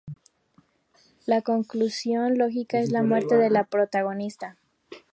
La conclusión lógica es la muerte de la protagonista.